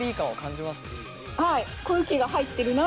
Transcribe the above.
はい。